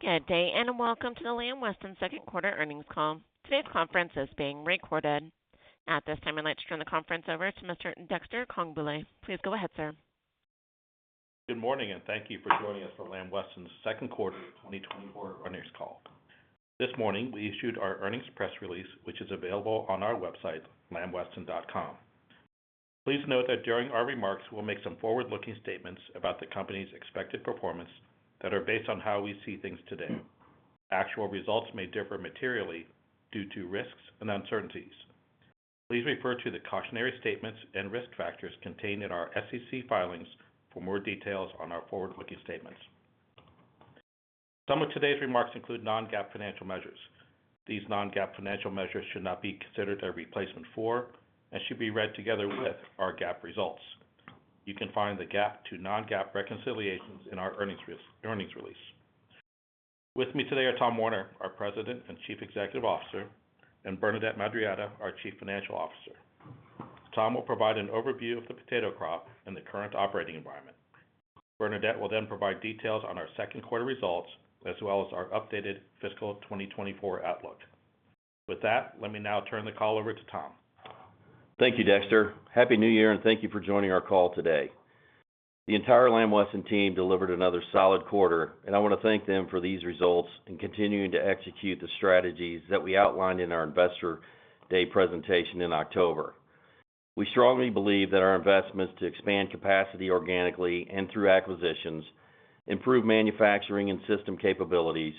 Good day, and welcome to the Lamb Weston second quarter earnings call. Today's conference is being recorded. At this time, I'd like to turn the conference over to Mr. Dexter Congbalay. Please go ahead, sir. Good morning, and thank you for joining us for Lamb Weston's second quarter of 2024 earnings call. This morning, we issued our earnings press release, which is available on our website, lambweston.com. Please note that during our remarks, we'll make some forward-looking statements about the company's expected performance that are based on how we see things today. Actual results may differ materially due to risks and uncertainties. Please refer to the cautionary statements and risk factors contained in our SEC filings for more details on our forward-looking statements. Some of today's remarks include non-GAAP financial measures. These non-GAAP financial measures should not be considered a replacement for, and should be read together with, our GAAP results. You can find the GAAP to non-GAAP reconciliations in our earnings release. With me today are Tom Werner, our President and Chief Executive Officer, and Bernadette Madarieta, our Chief Financial Officer. Tom will provide an overview of the potato crop and the current operating environment. Bernadette will then provide details on our second quarter results, as well as our updated fiscal 2024 outlook. With that, let me now turn the call over to Tom. Thank you, Dexter. Happy New Year, and thank you for joining our call today. The entire Lamb Weston team delivered another solid quarter, and I want to thank them for these results and continuing to execute the strategies that we outlined in our Investor Day presentation in October. We strongly believe that our investments to expand capacity organically and through acquisitions, improve manufacturing and system capabilities,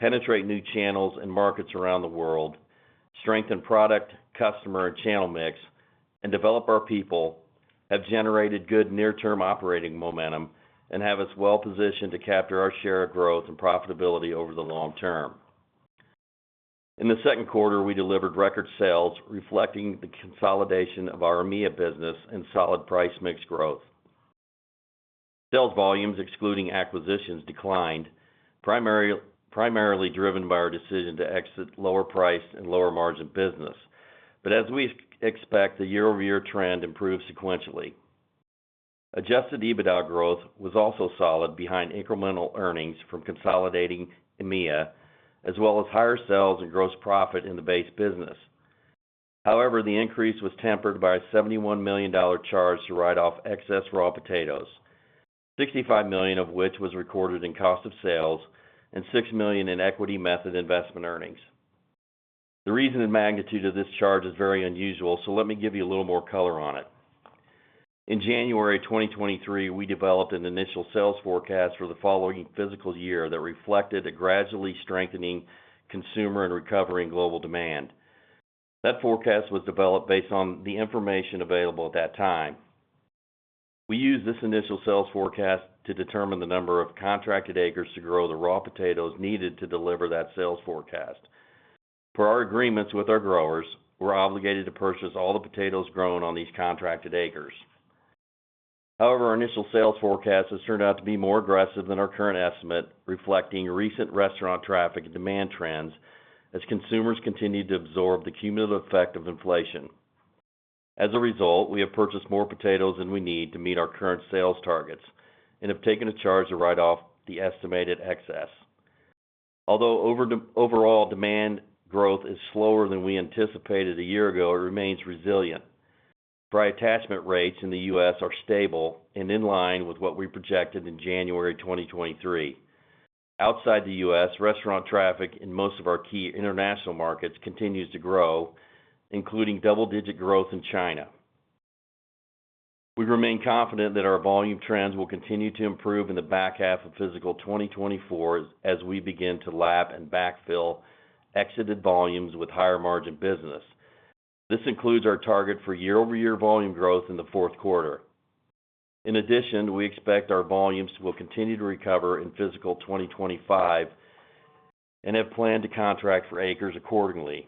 penetrate new channels and markets around the world, strengthen product, customer, and channel mix, and develop our people, have generated good near-term operating momentum and have us well positioned to capture our share of growth and profitability over the long term. In the second quarter, we delivered record sales, reflecting the consolidation of our EMEA business and solid price mix growth. Sales volumes, excluding acquisitions, declined, primarily driven by our decision to exit lower price and lower margin business. But as we expect, the year-over-year trend improved sequentially. Adjusted EBITDA growth was also solid behind incremental earnings from consolidating EMEA, as well as higher sales and gross profit in the base business. However, the increase was tempered by a $71 million charge to write off excess raw potatoes, $65 million of which was recorded in cost of sales and $6 million in equity method investment earnings. The reason and magnitude of this charge is very unusual, so let me give you a little more color on it. In January 2023, we developed an initial sales forecast for the following fiscal year that reflected a gradually strengthening consumer and recovering global demand. That forecast was developed based on the information available at that time. We used this initial sales forecast to determine the number of contracted acres to grow the raw potatoes needed to deliver that sales forecast. Per our agreements with our growers, we're obligated to purchase all the potatoes grown on these contracted acres. However, our initial sales forecast has turned out to be more aggressive than our current estimate, reflecting recent restaurant traffic and demand trends as consumers continue to absorb the cumulative effect of inflation. As a result, we have purchased more potatoes than we need to meet our current sales targets and have taken a charge to write off the estimated excess. Although overall, demand growth is slower than we anticipated a year ago, it remains resilient. Price attachment rates in the U.S. are stable and in line with what we projected in January 2023. Outside the U.S., restaurant traffic in most of our key international markets continues to grow, including double-digit growth in China. We remain confident that our volume trends will continue to improve in the back half of fiscal 2024 as we begin to lap and backfill exited volumes with higher-margin business. This includes our target for year-over-year volume growth in the fourth quarter. In addition, we expect our volumes will continue to recover in fiscal 2025 and have planned to contract for acres accordingly.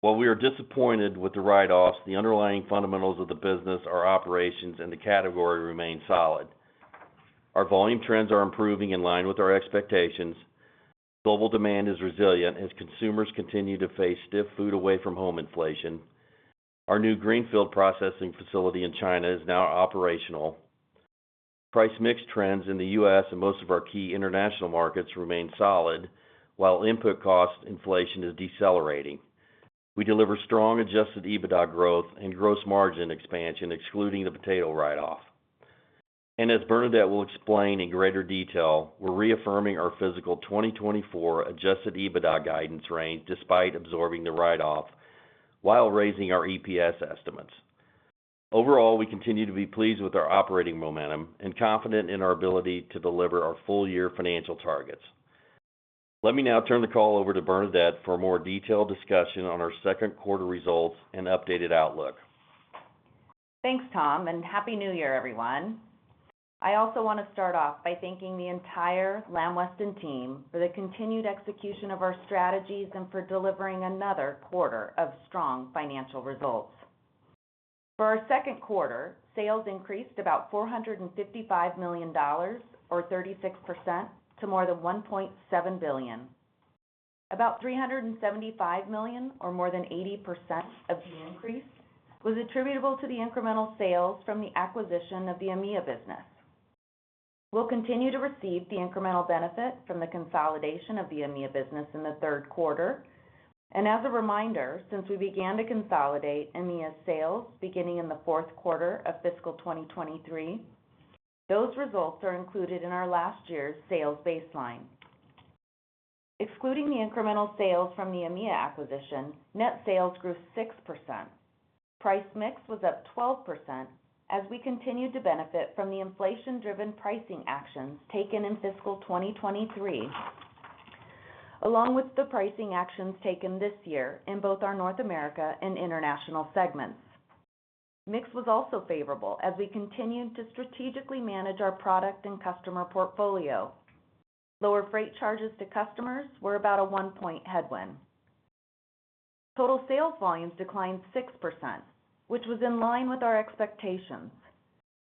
While we are disappointed with the write-offs, the underlying fundamentals of the business, our operations in the category remain solid. Our volume trends are improving in line with our expectations. Global demand is resilient as consumers continue to face stiff food away from home inflation. Our new greenfield processing facility in China is now operational. Price mix trends in the U.S. and most of our key international markets remain solid, while input cost inflation is decelerating. We deliver strong adjusted EBITDA growth and gross margin expansion, excluding the potato write-off. As Bernadette will explain in greater detail, we're reaffirming our fiscal 2024 adjusted EBITDA guidance range despite absorbing the write-off while raising our EPS estimates. Overall, we continue to be pleased with our operating momentum and confident in our ability to deliver our full-year financial targets. Let me now turn the call over to Bernadette for a more detailed discussion on our second quarter results and updated outlook. Thanks, Tom, and Happy New Year, everyone. I also want to start off by thanking the entire Lamb Weston team for the continued execution of our strategies and for delivering another quarter of strong financial results. For our second quarter, sales increased about $455 million, or 36%, to more than $1.7 billion. About $375 million, or more than 80% of the increase, was attributable to the incremental sales from the acquisition of the EMEA business. We'll continue to receive the incremental benefit from the consolidation of the EMEA business in the third quarter, and as a reminder, since we began to consolidate EMEA sales beginning in the fourth quarter of fiscal 2023, those results are included in our last year's sales baseline. Excluding the incremental sales from the EMEA acquisition, net sales grew 6%. Price mix was up 12% as we continued to benefit from the inflation-driven pricing actions taken in fiscal 2023, along with the pricing actions taken this year in both our North America and International segments. Mix was also favorable as we continued to strategically manage our product and customer portfolio. Lower freight charges to customers were about a 1-point headwind. Total sales volumes declined 6%, which was in line with our expectations.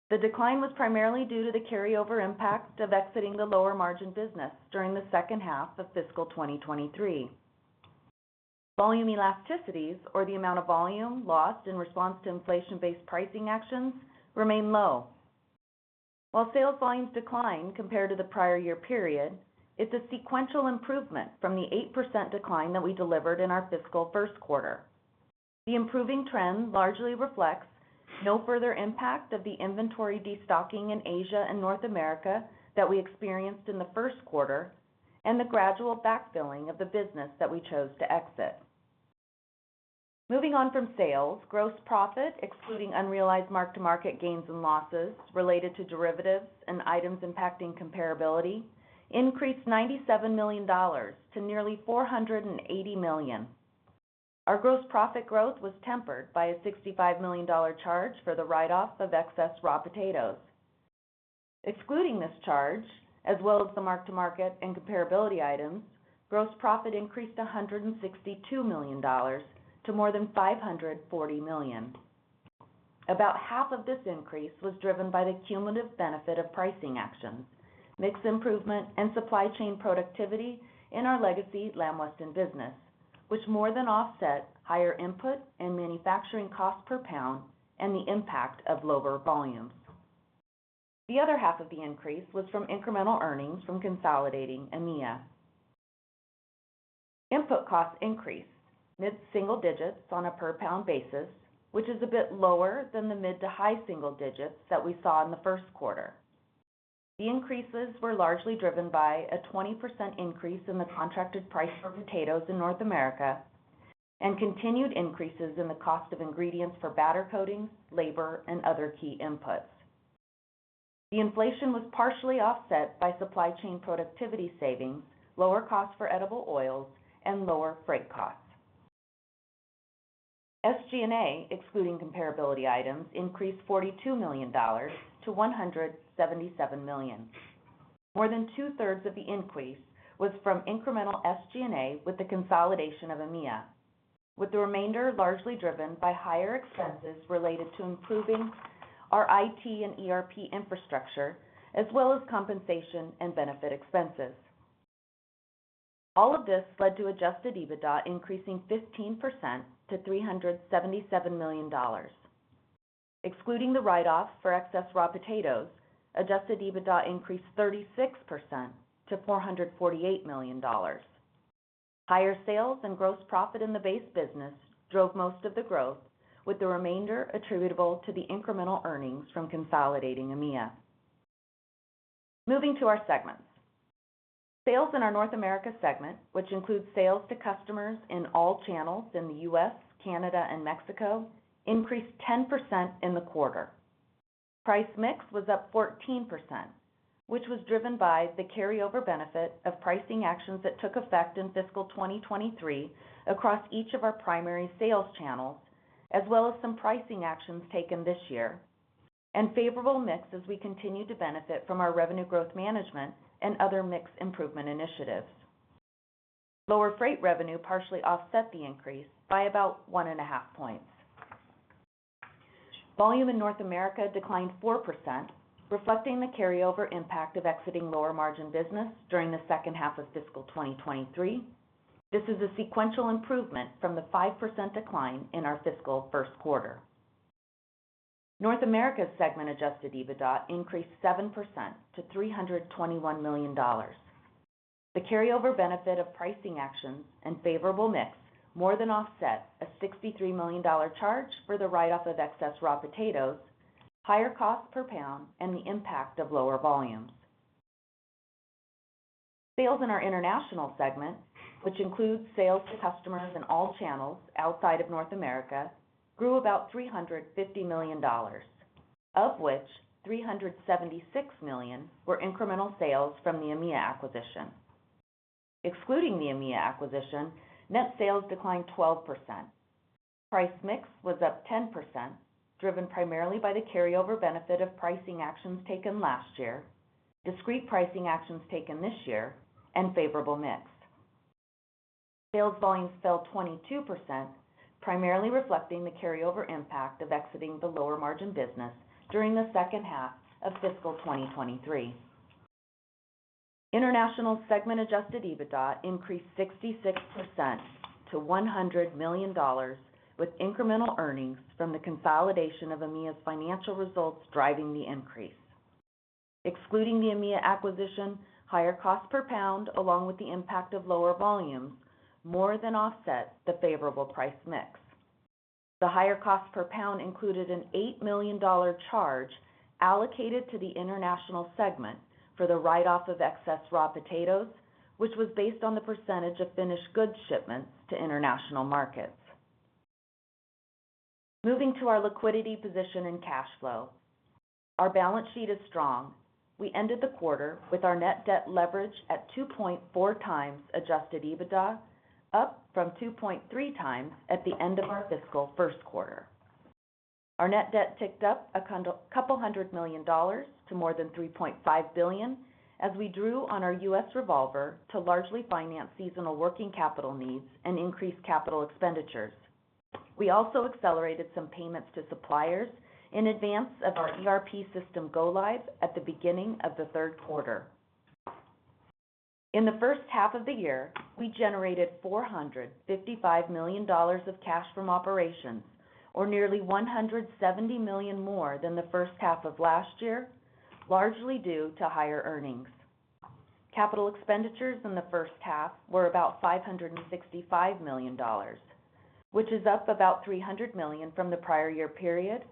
The decline was primarily due to the carryover impact of exiting the lower margin business during the second half of fiscal 2023. Volume elasticities, or the amount of volume lost in response to inflation-based pricing actions, remain low. While sales volumes declined compared to the prior year period, it's a sequential improvement from the 8% decline that we delivered in our fiscal first quarter. The improving trend largely reflects no further impact of the inventory destocking in Asia and North America that we experienced in the first quarter, and the gradual backfilling of the business that we chose to exit. Moving on from sales, gross profit, excluding unrealized mark-to-market gains and losses related to derivatives and items impacting comparability, increased $97 million to nearly $480 million. Our gross profit growth was tempered by a $65 million charge for the write-off of excess raw potatoes. Excluding this charge, as well as the mark-to-market and comparability items, gross profit increased $162 million to more than $540 million. About half of this increase was driven by the cumulative benefit of pricing actions, mix improvement, and supply chain productivity in our legacy Lamb Weston business, which more than offset higher input and manufacturing cost per pound and the impact of lower volumes. The other half of the increase was from incremental earnings from consolidating EMEA. Input costs increased mid-single digits on a per-pound basis, which is a bit lower than the mid to high single digits that we saw in the first quarter. The increases were largely driven by a 20% increase in the contracted price for potatoes in North America, and continued increases in the cost of ingredients for batter coating, labor, and other key inputs. The inflation was partially offset by supply chain productivity savings, lower costs for edible oils, and lower freight costs. SG&A, excluding comparability items, increased $42 million to $177 million. More than two-thirds of the increase was from incremental SG&A, with the consolidation of EMEA, with the remainder largely driven by higher expenses related to improving our IT and ERP infrastructure, as well as compensation and benefit expenses. All of this led to Adjusted EBITDA increasing 15% to $377 million. Excluding the write-off for excess raw potatoes, Adjusted EBITDA increased 36% to $448 million. Higher sales and gross profit in the base business drove most of the growth, with the remainder attributable to the incremental earnings from consolidating EMEA. Moving to our segments. Sales in our North America segment, which includes sales to customers in all channels in the U.S., Canada, and Mexico, increased 10% in the quarter. Price mix was up 14%, which was driven by the carryover benefit of pricing actions that took effect in fiscal 2023 across each of our primary sales channels, as well as some pricing actions taken this year, and favorable mix as we continue to benefit from our revenue growth management and other mix improvement initiatives. Lower freight revenue partially offset the increase by about 1.5 points. Volume in North America declined 4%, reflecting the carryover impact of exiting lower margin business during the second half of fiscal 2023. This is a sequential improvement from the 5% decline in our fiscal first quarter. North America segment Adjusted EBITDA increased 7% to $321 million. The carryover benefit of pricing actions and favorable mix more than offset a $63 million charge for the write-off of excess raw potatoes, higher costs per pound, and the impact of lower volumes. Sales in our international segment, which includes sales to customers in all channels outside of North America, grew about $350 million, of which $376 million were incremental sales from the EMEA acquisition. Excluding the EMEA acquisition, net sales declined 12%. Price mix was up 10%, driven primarily by the carryover benefit of pricing actions taken last year, discrete pricing actions taken this year, and favorable mix. Sales volumes fell 22%, which primarily reflecting the carryover impact of exiting the lower margin business during the second half of fiscal 2023. International segment adjusted EBITDA increased 66% to $100 million, with incremental earnings from the consolidation of EMEA's financial results driving the increase. Excluding the EMEA acquisition, higher cost per pound, along with the impact of lower volumes, more than offset the favorable price mix. The higher cost per pound included an $8 million charge allocated to the international segment for the write-off of excess raw potatoes, which was based on the percentage of finished goods shipments to international markets. Moving to our liquidity position and cash flow. Our balance sheet is strong. We ended the quarter with our net debt leverage at 2.4 times adjusted EBITDA, up from 2.3 times at the end of our fiscal first quarter. Our net debt ticked up a couple hundred million dollars to more than $3.5 billion, as we drew on our U.S. revolver to largely finance seasonal working capital needs and increase capital expenditures. We also accelerated some payments to suppliers in advance of our ERP system go live at the beginning of the third quarter. In the first half of the year, we generated $455 million of cash from operations, or nearly $170 million more than the first half of last year, largely due to higher earnings. Capital expenditures in the first half were about $565 million, which is up about $300 million from the prior year period,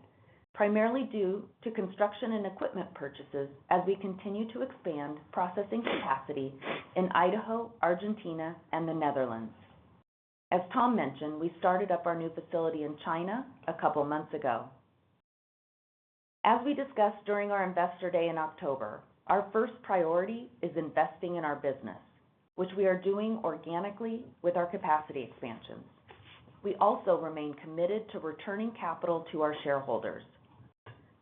primarily due to construction and equipment purchases as we continue to expand processing capacity in Idaho, Argentina, and the Netherlands. As Tom mentioned, we started up our new facility in China a couple of months ago. As we discussed during our Investor Day in October, our first priority is investing in our business, which we are doing organically with our capacity expansions. We also remain committed to returning capital to our shareholders.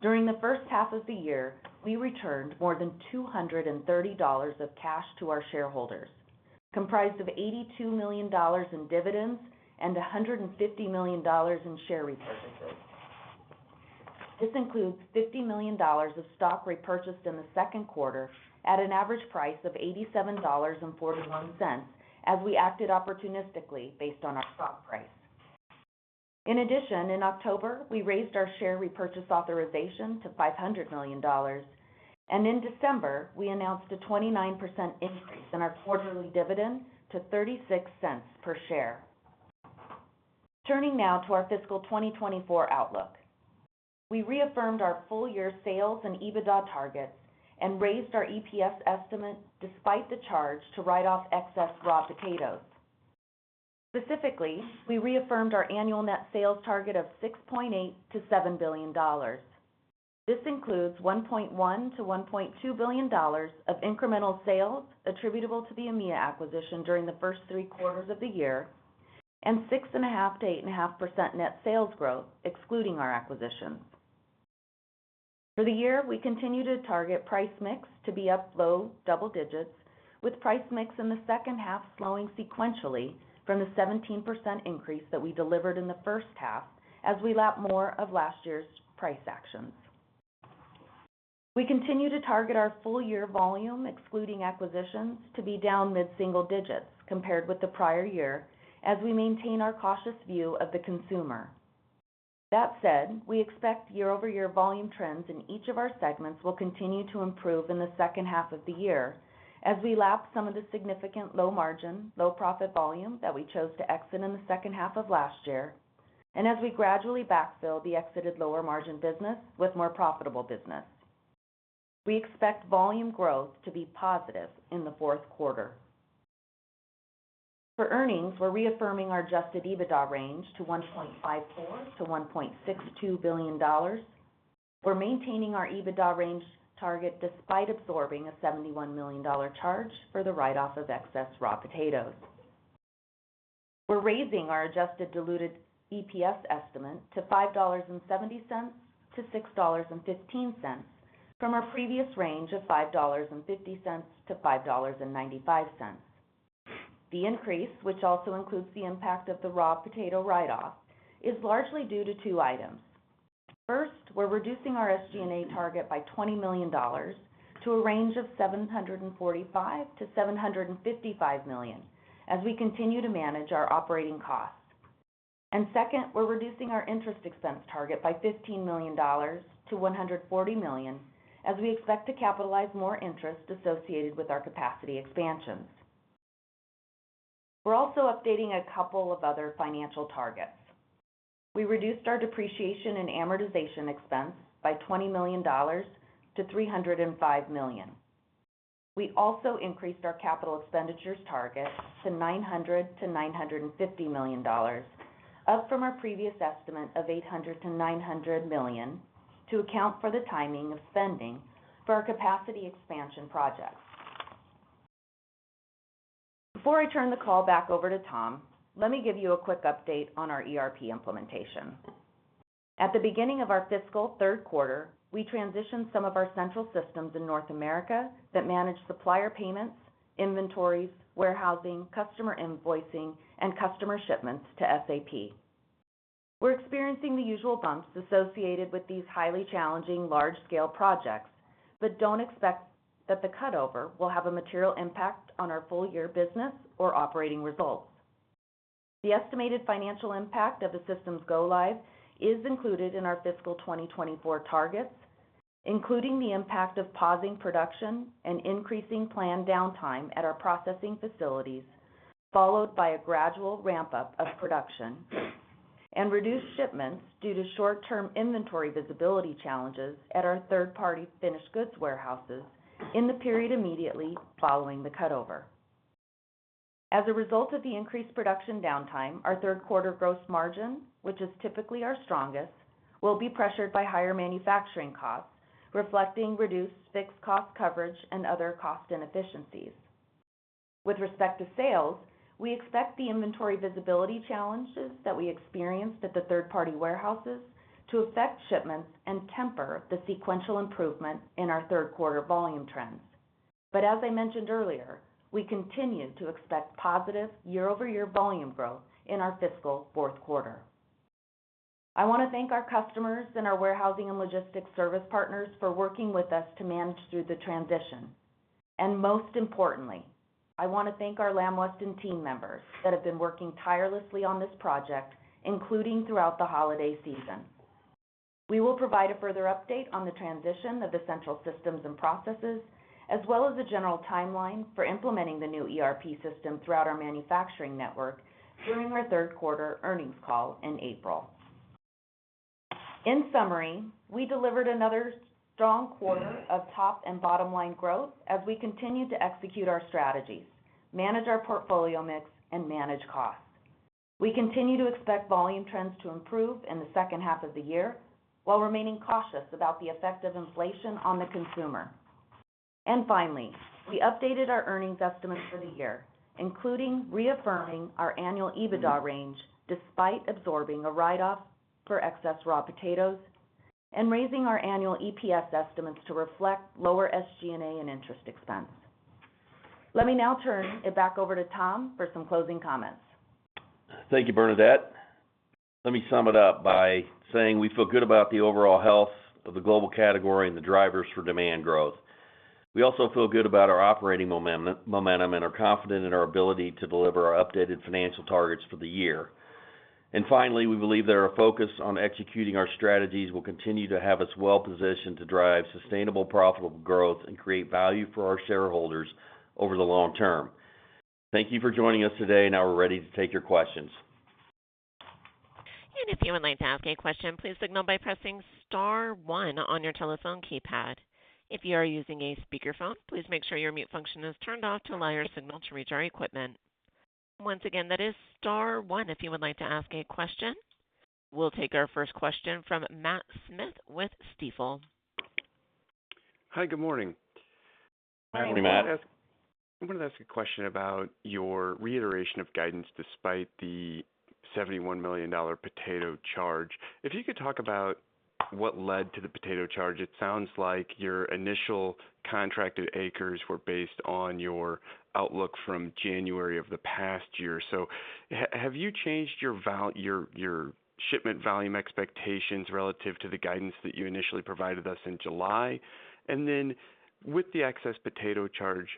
During the first half of the year, we returned more than $230 million of cash to our shareholders, comprised of $82 million in dividends and $150 million in share repurchases. This includes $50 million of stock repurchased in the second quarter at an average price of $87.41, as we acted opportunistically based on our stock price. In addition, in October, we raised our share repurchase authorization to $500 million, and in December, we announced a 29% increase in our quarterly dividend to $0.36 per share. Turning now to our fiscal 2024 outlook. We reaffirmed our full-year sales and EBITDA targets and raised our EPS estimate despite the charge to write off excess raw potatoes. Specifically, we reaffirmed our annual net sales target of $6.8 billion-$7 billion. This includes $1.1 billion-$1.2 billion of incremental sales attributable to the EMEA acquisition during the first three quarters of the year, and 6.5%-8.5% net sales growth, excluding our acquisitions. For the year, we continue to target price mix to be up low double digits, with price mix in the second half slowing sequentially from the 17% increase that we delivered in the first half as we lap more of last year's price actions. We continue to target our full year volume, excluding acquisitions, to be down mid-single digits compared with the prior year, as we maintain our cautious view of the consumer. That said, we expect year-over-year volume trends in each of our segments will continue to improve in the second half of the year as we lap some of the significant low margin, low profit volume that we chose to exit in the second half of last year, and as we gradually backfill the exited lower margin business with more profitable business. We expect volume growth to be positive in the fourth quarter. For earnings, we're reaffirming our adjusted EBITDA range to $1.54-$1.62 billion. We're maintaining our EBITDA range target despite absorbing a $71 million charge for the write-off of excess raw potatoes. We're raising our adjusted diluted EPS estimate to $5.70-$6.15 from our previous range of $5.50-$5.95. The increase, which also includes the impact of the raw potato write-off, is largely due to two items. First, we're reducing our SG&A target by $20 million to a range of $745-$755 million as we continue to manage our operating costs. Second, we're reducing our interest expense target by $15 million to $140 million, as we expect to capitalize more interest associated with our capacity expansions. We're also updating a couple of other financial targets. We reduced our depreciation and amortization expense by $20 million to $305 million. We also increased our capital expenditures target to $900 million-$950 million, up from our previous estimate of $800 million-$900 million, to account for the timing of spending for our capacity expansion projects. Before I turn the call back over to Tom, let me give you a quick update on our ERP implementation. At the beginning of our fiscal third quarter, we transitioned some of our central systems in North America that manage supplier payments, inventories, warehousing, customer invoicing, and customer shipments to SAP. We're experiencing the usual bumps associated with these highly challenging, large-scale projects, but don't expect that the cutover will have a material impact on our full year business or operating results. The estimated financial impact of the systems go live is included in our fiscal 2024 targets, including the impact of pausing production and increasing planned downtime at our processing facilities, followed by a gradual ramp-up of production, and reduced shipments due to short-term inventory visibility challenges at our third-party finished goods warehouses in the period immediately following the cutover. As a result of the increased production downtime, our third quarter gross margin, which is typically our strongest, will be pressured by higher manufacturing costs, reflecting reduced fixed cost coverage and other cost inefficiencies. With respect to sales, we expect the inventory visibility challenges that we experienced at the third-party warehouses to affect shipments and temper the sequential improvement in our third quarter volume trends. But as I mentioned earlier, we continue to expect positive year-over-year volume growth in our fiscal fourth quarter. I want to thank our customers and our warehousing and logistics service partners for working with us to manage through the transition. Most importantly, I want to thank our Lamb Weston team members that have been working tirelessly on this project, including throughout the holiday season. We will provide a further update on the transition of the central systems and processes, as well as a general timeline for implementing the new ERP system throughout our manufacturing network during our third quarter earnings call in April. In summary, we delivered another strong quarter of top and bottom line growth as we continued to execute our strategies, manage our portfolio mix, and manage costs. We continue to expect volume trends to improve in the second half of the year, while remaining cautious about the effect of inflation on the consumer. And finally, we updated our earnings estimates for the year, including reaffirming our annual EBITDA range, despite absorbing a write-off for excess raw potatoes and raising our annual EPS estimates to reflect lower SG&A and interest expense. Let me now turn it back over to Tom for some closing comments. Thank you, Bernadette. Let me sum it up by saying we feel good about the overall health of the global category and the drivers for demand growth. We also feel good about our operating momentum and are confident in our ability to deliver our updated financial targets for the year. And finally, we believe that our focus on executing our strategies will continue to have us well positioned to drive sustainable, profitable growth and create value for our shareholders over the long term. Thank you for joining us today, now we're ready to take your questions. If you would like to ask a question, please signal by pressing star one on your telephone keypad. If you are using a speakerphone, please make sure your mute function is turned off to allow your signal to reach our equipment. Once again, that is star one if you would like to ask a question. We'll take our first question from Matt Smith with Stifel. Hi, good morning. Good morning, Matt. I wanted to ask a question about your reiteration of guidance despite the $71 million potato charge. If you could talk about what led to the potato charge, it sounds like your initial contracted acres were based on your outlook from January of the past year. So have you changed your shipment volume expectations relative to the guidance that you initially provided us in July? And then with the excess potato charge,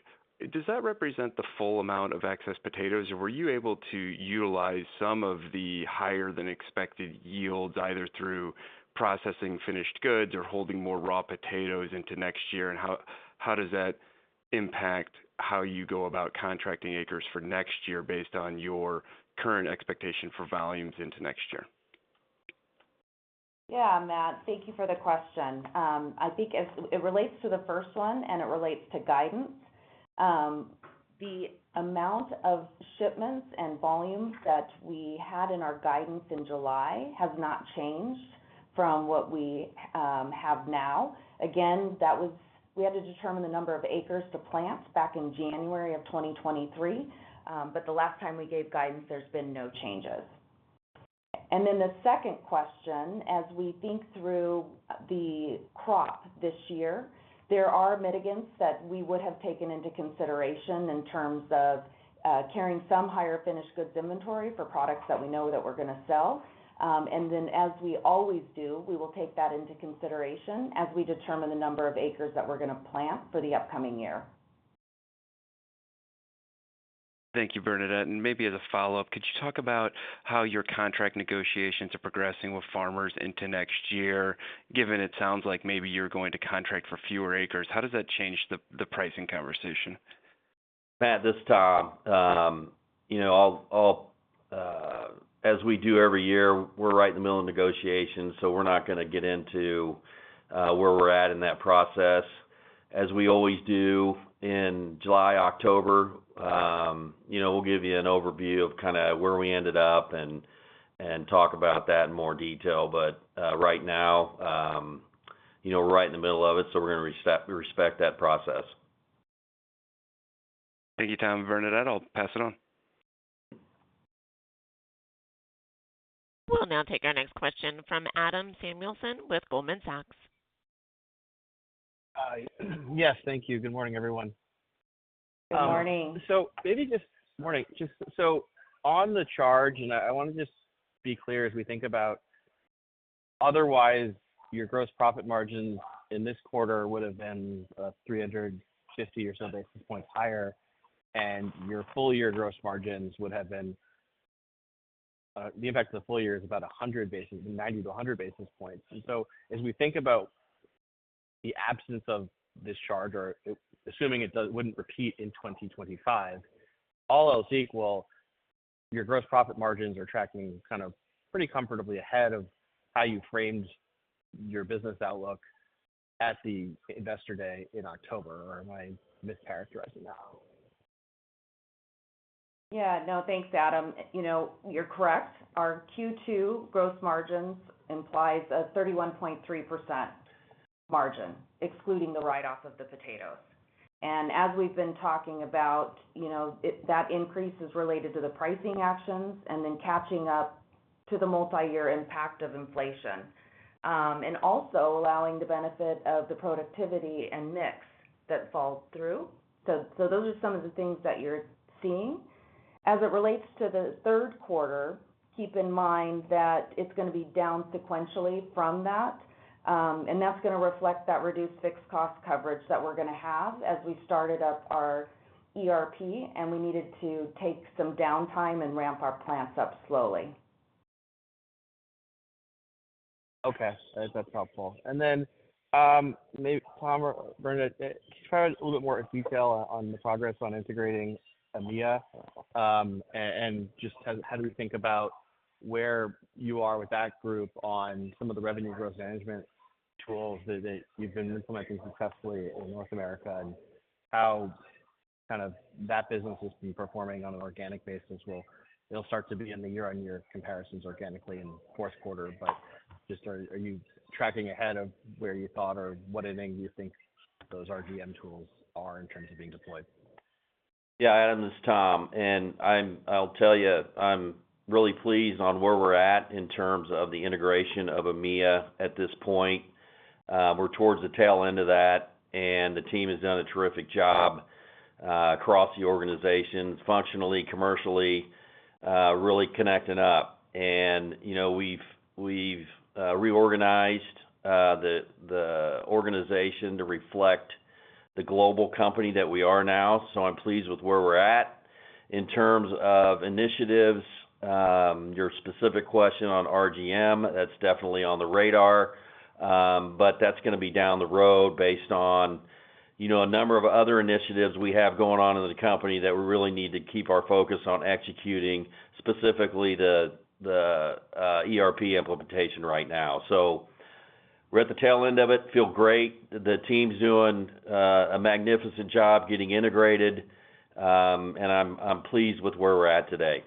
does that represent the full amount of excess potatoes, or were you able to utilize some of the higher-than-expected yields, either through processing finished goods or holding more raw potatoes into next year? And how does that impact how you go about contracting acres for next year based on your current expectation for volumes into next year? Yeah, Matt, thank you for the question. I think as it relates to the first one and it relates to guidance, the amount of shipments and volumes that we had in our guidance in July has not changed from what we have now. Again, that was, we had to determine the number of acres to plant back in January of 2023, but the last time we gave guidance, there's been no changes. And then the second question, as we think through the crop this year, there are mitigants that we would have taken into consideration in terms of carrying some higher finished goods inventory for products that we know that we're going to sell. And then, as we always do, we will take that into consideration as we determine the number of acres that we're going to plant for the upcoming year. Thank you, Bernadette. And maybe as a follow-up, could you talk about how your contract negotiations are progressing with farmers into next year, given it sounds like maybe you're going to contract for fewer acres, how does that change the pricing conversation? Matt, this is Tom. You know, I'll as we do every year, we're right in the middle of negotiations, so we're not going to get into where we're at in that process. As we always do, in July, October, you know, we'll give you an overview of kind of where we ended up and talk about that in more detail. But right now, you know, we're right in the middle of it, so we're going to respect that process. Thank you, Tom and Bernadette, I'll pass it on. We'll now take our next question from Adam Samuelson with Goldman Sachs. Hi. Yes, thank you. Good morning, everyone. Good morning. Good morning. Just so on the charge, and I wanna just be clear as we think about otherwise, your gross profit margin in this quarter would have been 350 or so basis points higher, and your full year gross margins would have been the impact of the full year is about 100 basis, 90-100 basis points. And so as we think about the absence of this charge, assuming it wouldn't repeat in 2025, all else equal, your gross profit margins are tracking kind of pretty comfortably ahead of how you framed your business outlook at the investor day in October, or am I mischaracterizing that? Yeah. No, thanks, Adam. You know, you're correct. Our Q2 gross margins implies a 31.3% margin, excluding the write-off of the potatoes. And as we've been talking about, you know, that increase is related to the pricing actions and then catching up to the multi-year impact of inflation, and also allowing the benefit of the productivity and mix that falls through. So, those are some of the things that you're seeing. As it relates to the third quarter, keep in mind that it's gonna be down sequentially from that, and that's gonna reflect that reduced fixed cost coverage that we're gonna have as we started up our ERP, and we needed to take some downtime and ramp our plants up slowly. Okay, that, that's helpful. And then, maybe Tom or Bernadette, can you provide a little bit more detail on the progress on integrating EMEA? And just how do we think about where you are with that group on some of the revenue growth management tools that you've been implementing successfully in North America, and how kind of that business has been performing on an organic basis? Well, it'll start to be in the year-on-year comparisons organically in the fourth quarter. But just are you tracking ahead of where you thought, or what inning do you think those RGM tools are in terms of being deployed? Yeah, Adam, this is Tom, and I'll tell you, I'm really pleased on where we're at in terms of the integration of EMEA at this point. We're towards the tail end of that, and the team has done a terrific job across the organization, functionally, commercially, really connecting up. And, you know, we've reorganized the organization to reflect the global company that we are now, so I'm pleased with where we're at. In terms of initiatives, your specific question on RGM, that's definitely on the radar. But that's gonna be down the road based on, you know, a number of other initiatives we have going on in the company that we really need to keep our focus on executing, specifically the ERP implementation right now. So we're at the tail end of it, feel great. The team's doing a magnificent job getting integrated, and I'm pleased with where we're at today.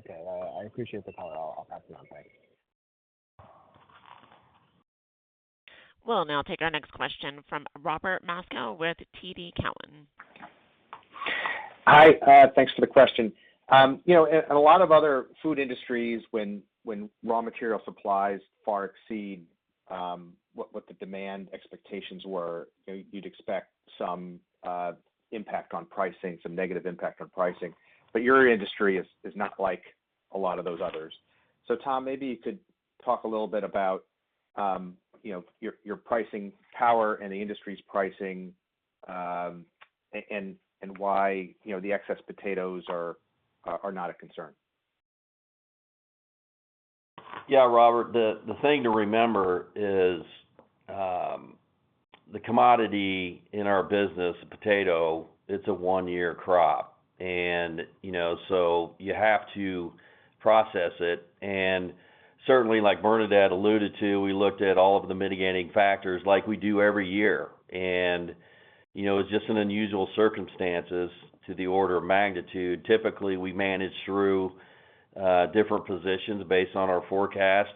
Okay. Well, I appreciate the comment. I'll, I'll pass it on. Thanks. We'll now take our next question from Robert Moskow with TD Cowen. Hi, thanks for the question. You know, a lot of other food industries, when raw material supplies far exceed what the demand expectations were, you know, you'd expect some impact on pricing, some negative impact on pricing, but your industry is not like a lot of those others. So Tom, maybe you could talk a little bit about, you know, your pricing power and the industry's pricing, and why, you know, the excess potatoes are not a concern. Yeah, Robert, the thing to remember is, the commodity in our business, the potato, it's a one-year crop, and, you know, so you have to process it. And certainly, like Bernadette alluded to, we looked at all of the mitigating factors like we do every year. And, you know, it's just an unusual circumstances to the order of magnitude. Typically, we manage through different positions based on our forecast.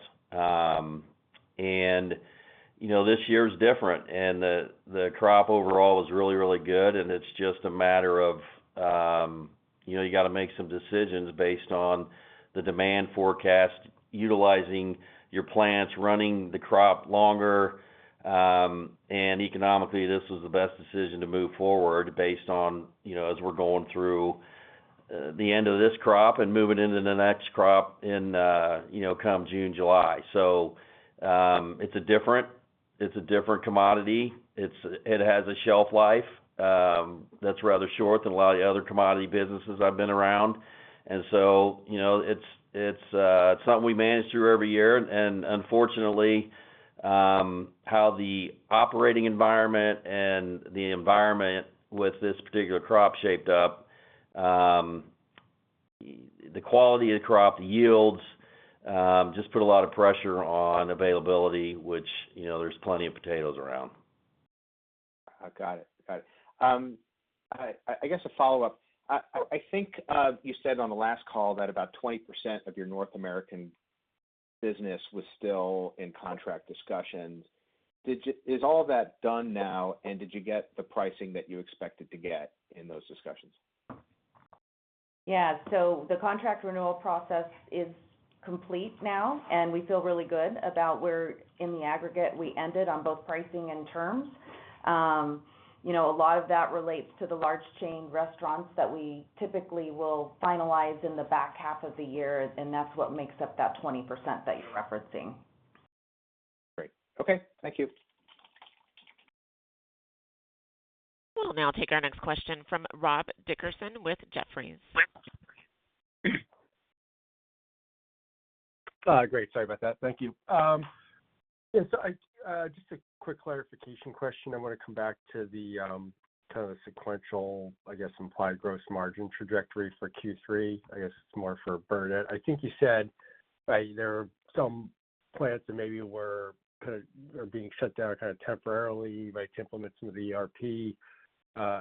And, you know, this year is different, and the crop overall is really, really good, and it's just a matter of, you know, you gotta make some decisions based on the demand forecast, utilizing your plants, running the crop longer. And economically, this was the best decision to move forward based on, you know, as we're going through the end of this crop and moving into the next crop in, you know, come June, July. So, it's a different, it's a different commodity. It has a shelf life that's rather short than a lot of the other commodity businesses I've been around. And so, you know, it's something we manage through every year. And unfortunately, how the operating environment and the environment with this particular crop shaped up, the quality of the crop, the yields just put a lot of pressure on availability, which, you know, there's plenty of potatoes around. Got it. Got it. I guess a follow-up. I think you said on the last call that about 20% of your North American. Business was still in contract discussions. Is all that done now, and did you get the pricing that you expected to get in those discussions? Yeah. So the contract renewal process is complete now, and we feel really good about where, in the aggregate, we ended on both pricing and terms. You know, a lot of that relates to the large chain restaurants that we typically will finalize in the back half of the year, and that's what makes up that 20% that you're referencing. Great. Okay, thank you. We'll now take our next question from Rob Dickerson with Jefferies. Great. Sorry about that. Thank you. Yes, I just a quick clarification question. I wanna come back to the kind of sequential, I guess, implied gross margin trajectory for Q3. I guess it's more for Bernadette. I think you said, right, there are some plants that maybe were kind of are being shut down kind of temporarily, right, to implement some of the ERP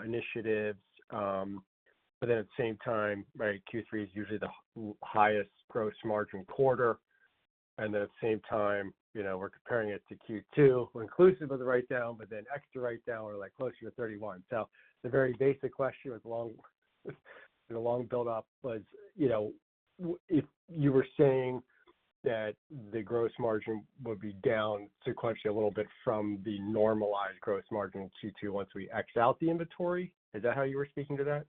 initiatives. But then at the same time, right, Q3 is usually the highest gross margin quarter. And then at the same time, you know, we're comparing it to Q2, we're inclusive of the write-down, but then extra write-down or, like, closer to 31. So the very basic question with Lamb, the long build up was, you know, if you were saying that the gross margin would be down sequentially a little bit from the normalized gross margin in Q2, once we X out the inventory, is that how you were speaking to that?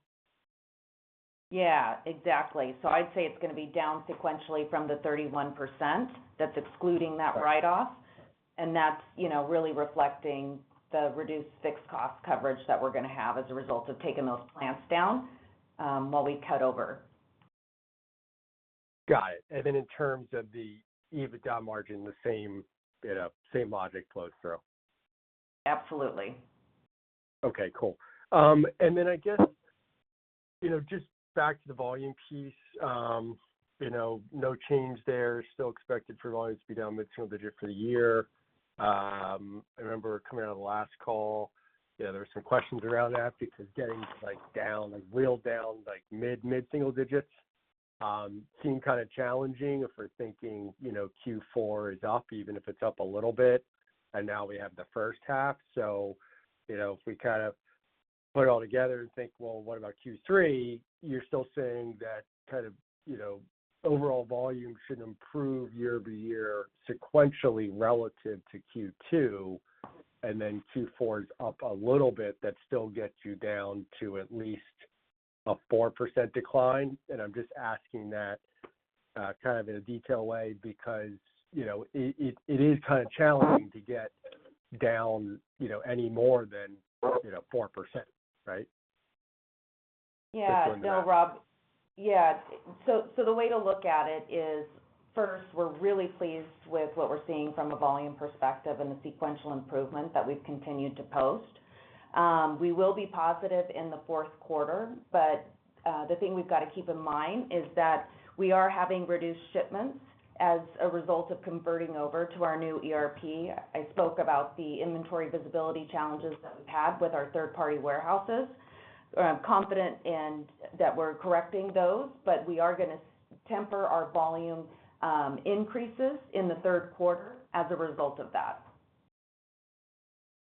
Yeah, exactly. So I'd say it's gonna be down sequentially from the 31%. That's excluding that write-off. Right. That's, you know, really reflecting the reduced fixed cost coverage that we're gonna have as a result of taking those plants down, while we cut over. Got it. And then in terms of the EBITDA margin, the same, same logic flows through? Absolutely. Okay, cool. And then I guess, you know, just back to the volume piece, you know, no change there. Still expected for volume to be down mid-single-digit for the year. I remember coming out of the last call, yeah, there were some questions around that because getting, like, down, like, real down, like mid, mid-single-digits, seem kind of challenging if we're thinking, you know, Q4 is up, even if it's up a little bit, and now we have the first half. So, you know, if we kind of put it all together and think, "Well, what about Q3?" You're still saying that kind of, you know, overall volume should improve year-over-year, sequentially relative to Q2, and then Q4 is up a little bit, that still gets you down to at least a 4% decline. I'm just asking that kind of in a detailed way, because, you know, it is kind of challenging to get down, you know, any more than, you know, 4%, right? Yeah. Just wondering. No, Rob. Yeah, so, so the way to look at it is, first, we're really pleased with what we're seeing from a volume perspective and the sequential improvement that we've continued to post. We will be positive in the fourth quarter, but the thing we've got to keep in mind is that we are having reduced shipments as a result of converting over to our new ERP. I spoke about the inventory visibility challenges that we've had with our third-party warehouses. I'm confident in that we're correcting those, but we are gonna temper our volume increases in the third quarter as a result of that.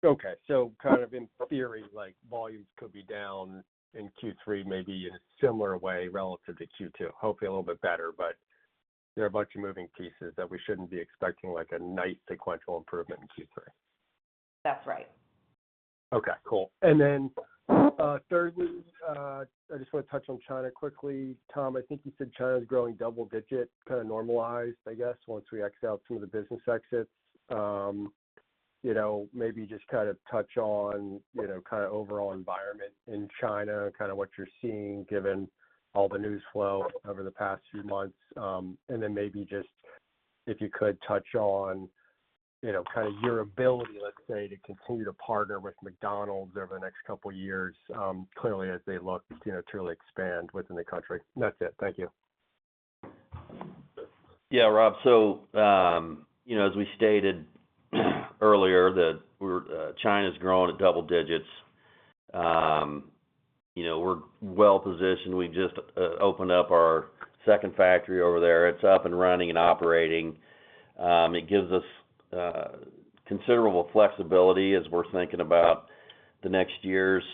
Okay. So kind of in theory, like, volumes could be down in Q3, maybe in a similar way relative to Q2, hopefully a little bit better. But there are a bunch of moving pieces that we shouldn't be expecting, like, a nice sequential improvement in Q3. That's right. Okay, cool. And then, thirdly, I just wanna touch on China quickly. Tom, I think you said China is growing double digit, kind of normalized, I guess, once we X out some of the business exits. You know, maybe just kind of touch on, you know, kind of overall environment in China, kind of what you're seeing, given all the news flow over the past few months. And then maybe just, if you could, touch on, you know, kind of your ability, let's say, to continue to partner with McDonald's over the next couple of years, clearly, as they look, you know, to really expand within the country. And that's it. Thank you. Yeah, Rob. So, you know, as we stated earlier, that we're China's growing at double digits. You know, we're well-positioned. We've just opened up our second factory over there. It's up and running and operating. It gives us considerable flexibility as we're thinking about the next year's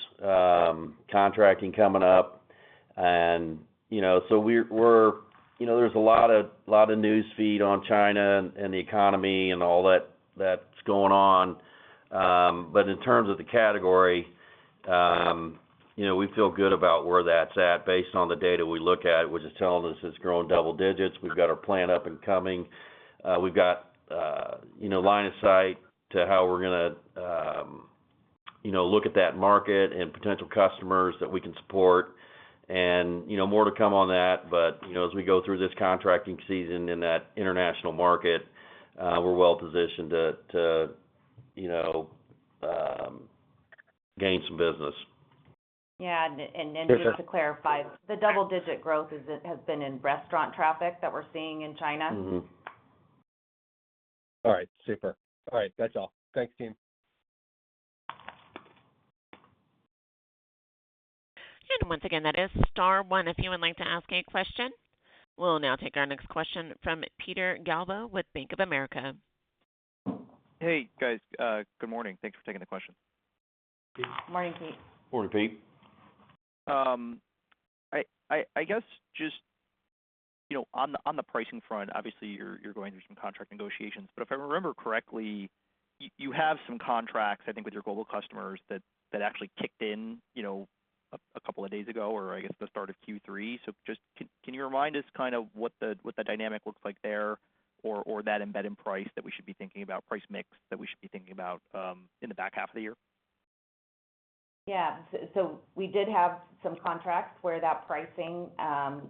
contracting coming up. And, you know, so we're. You know, there's a lot of news feed on China and the economy and all that, that's going on. But in terms of the category, you know, we feel good about where that's at. Based on the data we look at, which is telling us it's growing double digits. We've got our plant up and coming. We've got, you know, line of sight to how we're gonna, you know, look at that market and potential customers that we can support. You know, more to come on that, but, you know, as we go through this contracting season in that international market, we're well positioned to, you know, gain some business. Yeah, and then. There's a. Just to clarify, the double-digit growth is, has been in restaurant traffic that we're seeing in China? All right. Super. All right. That's all. Thanks, team. Once again, that is star one, if you would like to ask a question. We'll now take our next question from Peter Galbo with Bank of America. Hey, guys. Good morning. Thanks for taking the question. Good morning, Pete. Morning, Pete. I guess just, you know, on the pricing front, obviously, you're going through some contract negotiations, but if I remember correctly, you have some contracts, I think, with your global customers that actually kicked in, you know, a couple of days ago, or I guess the start of Q3. So just can you remind us kind of what the dynamic looks like there, or that embedded price that we should be thinking about, price mix that we should be thinking about, in the back half of the year? Yeah. So, we did have some contracts where that pricing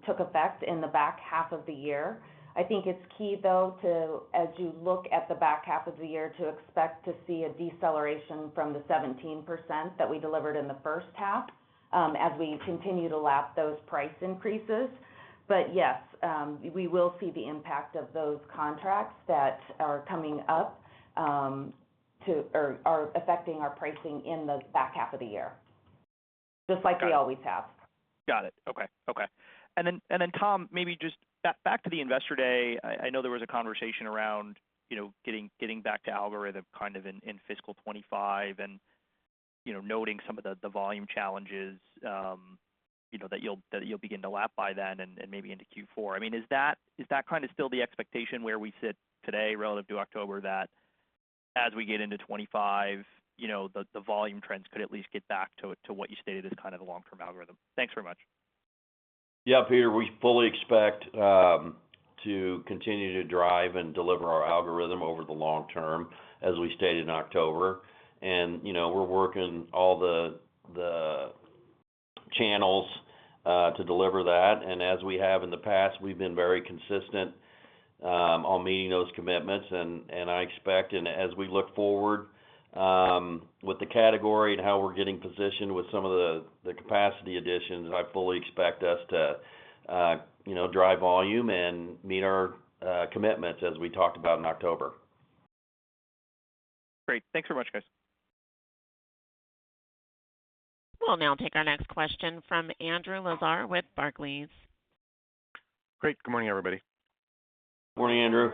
took effect in the back half of the year. I think it's key, though, to, as you look at the back half of the year, to expect to see a deceleration from the 17% that we delivered in the first half, as we continue to lap those price increases. But yes, we will see the impact of those contracts that are coming up, or are affecting our pricing in the back half of the year, just like we always have. Got it. Okay. Okay. And then, Tom, maybe just back to the Investor Day, I know there was a conversation around, you know, getting back to algorithm kind of in fiscal 25 and, you know, noting some of the volume challenges, you know, that you'll begin to lap by then and maybe into Q4. I mean, is that kind of still the expectation where we sit today relative to October, that as we get into 25, you know, the volume trends could at least get back to what you stated as kind of the long-term algorithm? Thanks very much. Yeah, Peter, we fully expect to continue to drive and deliver our algorithm over the long term, as we stated in October, and, you know, we're working all the, the channels to deliver that. And as we have in the past, we've been very consistent on meeting those commitments. And I expect, and as we look forward, with the category and how we're getting positioned with some of the, the capacity additions, I fully expect us to, you know, drive volume and meet our commitments as we talked about in October. Great. Thanks very much, guys. We'll now take our next question from Andrew Lazar with Barclays. Great. Good morning, everybody. Morning, Andrew.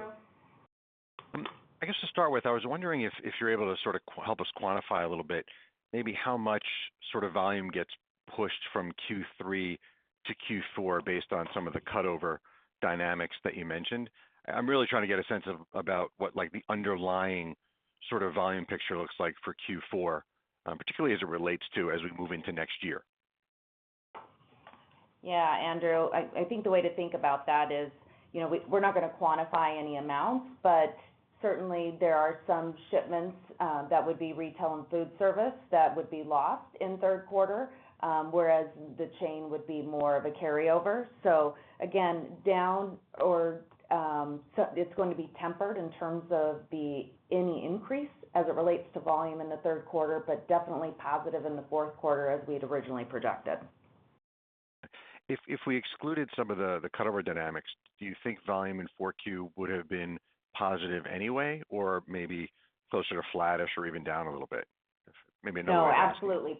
Good morning. I guess to start with, I was wondering if you're able to sort of help us quantify a little bit, maybe how much sort of volume gets pushed from Q3 to Q4 based on some of the cutover dynamics that you mentioned. I'm really trying to get a sense of about what, like, the underlying sort of volume picture looks like for Q4, particularly as it relates to as we move into next year. Yeah, Andrew, I think the way to think about that is, you know, we're not going to quantify any amounts, but certainly, there are some shipments that would be retail and food service that would be lost in third quarter, whereas the chain would be more of a carryover. So again, so it's going to be tempered in terms of than any increase as it relates to volume in the third quarter, but definitely positive in the fourth quarter as we had originally projected. If we excluded some of the cutover dynamics, do you think volume in 4Q would have been positive anyway, or maybe closer to flattish or even down a little bit? If maybe no- No, absolutely,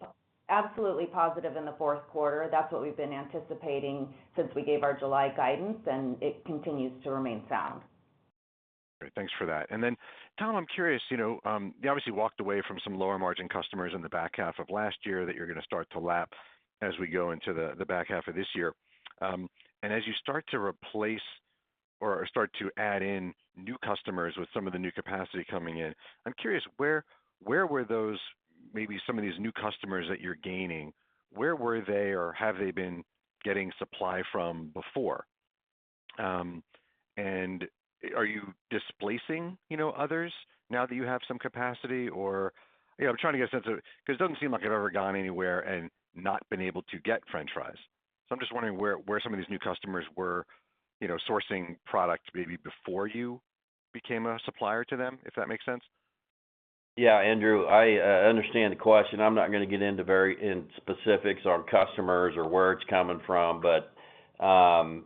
absolutely positive in the fourth quarter. That's what we've been anticipating since we gave our July guidance, and it continues to remain sound. Great. Thanks for that. And then, Tom, I'm curious, you know, you obviously walked away from some lower-margin customers in the back half of last year that you're going to start to lap as we go into the back half of this year. And as you start to replace or start to add in new customers with some of the new capacity coming in, I'm curious, where, where were those. maybe some of these new customers that you're gaining, where were they, or have they been getting supply from before? And are you displacing, you know, others now that you have some capacity or. You know, I'm trying to get a sense of, because it doesn't seem like I've ever gone anywhere and not been able to get French fries. I'm just wondering where some of these new customers were, you know, sourcing product maybe before you became a supplier to them, if that makes sense. Yeah, Andrew, I understand the question. I'm not going to get into very specific on customers or where it's coming from, but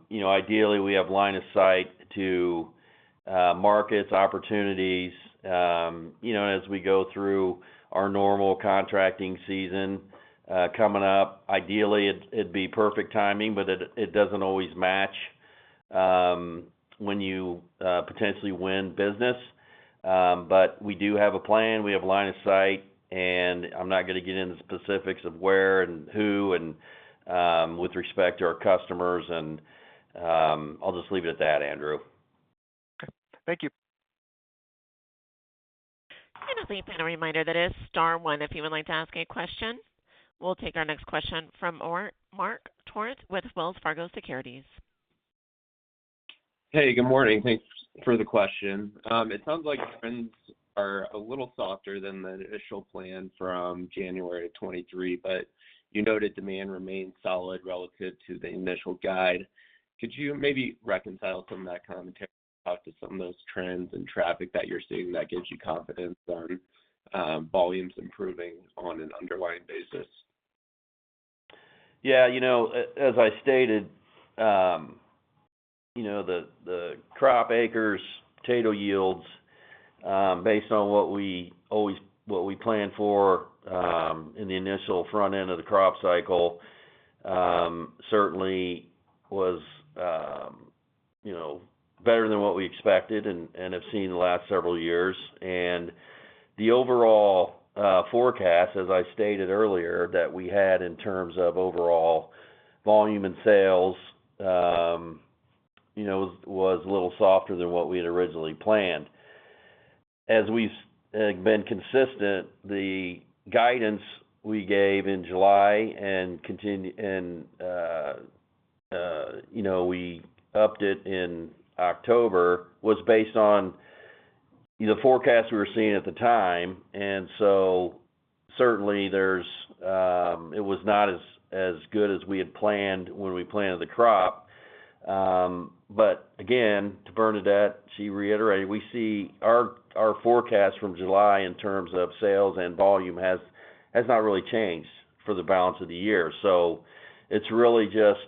you know, ideally, we have line of sight to markets, opportunities, you know, as we go through our normal contracting season coming up. Ideally, it'd be perfect timing, but it doesn't always match when you potentially win business. But we do have a plan, we have line of sight, and I'm not going to get into the specifics of where and who and with respect to our customers and I'll just leave it at that, Andrew. Okay. Thank you. A brief reminder, that is star one, if you would like to ask a question. We'll take our next question from Marc Torrente with Wells Fargo Securities. Hey, good morning. Thanks for the question. It sounds like trends are a little softer than the initial plan from January of 2023, but you noted demand remains solid relative to the initial guide. Could you maybe reconcile some of that commentary out to some of those trends and traffic that you're seeing that gives you confidence on, volumes improving on an underlying basis? Yeah, you know, as I stated. You know, the crop acres, potato yields, based on what we always planned for, in the initial front end of the crop cycle, certainly was, you know, better than what we expected and have seen the last several years. And the overall forecast, as I stated earlier, that we had in terms of overall volume and sales, you know, was a little softer than what we had originally planned. As we've been consistent, the guidance we gave in July and continue and, you know, we upped it in October, was based on the forecast we were seeing at the time. And so certainly there's, it was not as good as we had planned when we planted the crop. But again, to Bernadette, she reiterated, we see our forecast from July in terms of sales and volume has not really changed for the balance of the year. So it's really just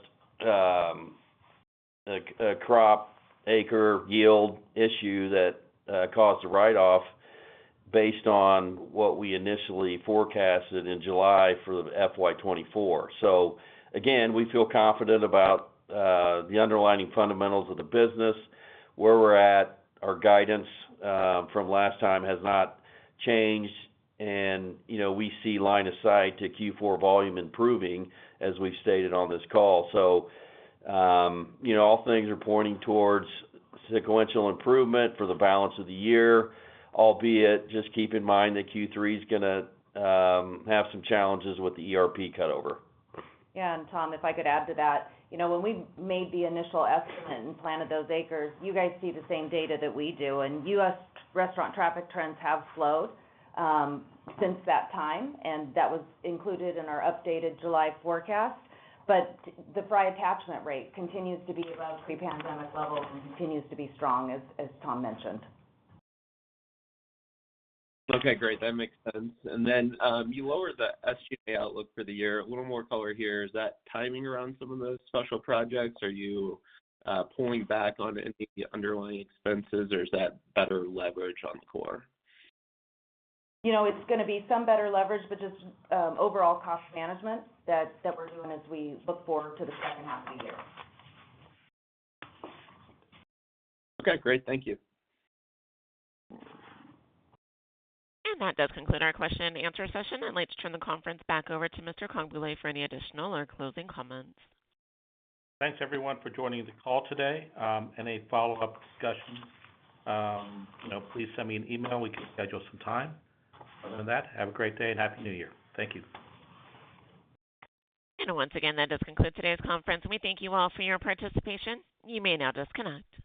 a crop acre yield issue that caused a write-off based on what we initially forecasted in July for the FY 2024. So again, we feel confident about the underlying fundamentals of the business. Where we're at, our guidance from last time has not changed, and, you know, we see line of sight to Q4 volume improving as we've stated on this call. So, you know, all things are pointing towards sequential improvement for the balance of the year, albeit just keep in mind that Q3 is gonna have some challenges with the ERP cutover. Yeah, and Tom, if I could add to that, you know, when we made the initial estimate and planted those acres, you guys see the same data that we do, and U.S. restaurant traffic trends have slowed since that time, and that was included in our updated July forecast. But the fry attachment rate continues to be above pre-pandemic levels and continues to be strong as Tom mentioned. Okay, great. That makes sense. Then, you lowered the SG&A outlook for the year. A little more color here. Is that timing around some of those special projects? Are you pulling back on any of the underlying expenses, or is that better leverage on core? You know, it's gonna be some better leverage, but just overall cost management that we're doing as we look forward to the second half of the year. Okay, great. Thank you. That does conclude our question and answer session. I'd like to turn the conference back over to Mr. Congbalay for any additional or closing comments. Thanks, everyone, for joining the call today. Any follow-up discussions, you know, please send me an email, we can schedule some time. Other than that, have a great day and Happy New Year. Thank you. Once again, that does conclude today's conference. We thank you all for your participation. You may now disconnect.